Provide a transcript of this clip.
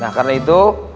nah karena itu